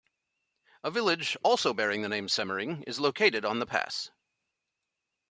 A village also bearing the name Semmering is located on the pass.